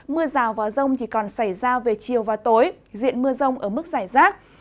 mưa rào và rông chỉ còn xảy ra về chiều và tối diện mưa rông ở mức giải rác